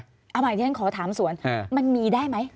หมายถึงขอถามส่วนมันมีได้ไหม